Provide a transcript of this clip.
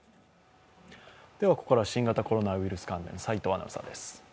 ここからは新型コロナウイルス関連、齋藤アナウンサーです。